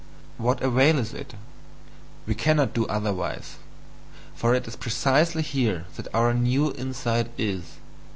What avail is it? We cannot do otherwise, for it is precisely here that our new insight is.